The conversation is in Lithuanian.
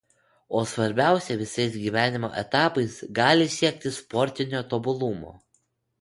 o svarbiausia visais gyvenimo etapais gali siekti sportinio tobulumo